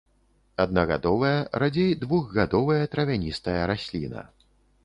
Аднагадовая, радзей двухгадовая травяністая расліна.